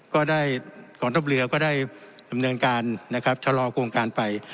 กองทัพเรือก็ได้เนินการชะลอโครงการลงไป